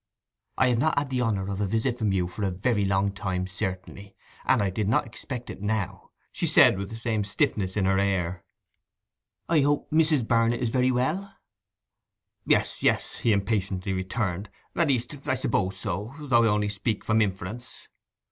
'I have not had the honour of a visit from you for a very long time, certainly, and I did not expect it now,' she said, with the same stiffness in her air. 'I hope Mrs. Barnet is very well?' 'Yes, yes!' he impatiently returned. 'At least I suppose so—though I only speak from inference!